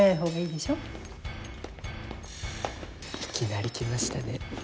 いきなり来ましたね。